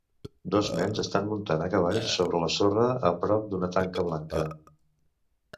Dos nens estan muntant a cavall sobre la sorra a prop d'una tanca blanca.